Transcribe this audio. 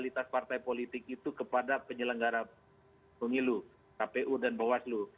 dan berikan kemampuan keadaan politik itu kepada penyelenggara bungilu kpu dan bawaslu